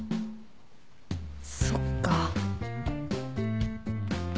そっか。